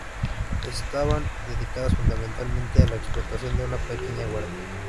Estaban dedicadas fundamentalmente a la explotación de una pequeña huerta.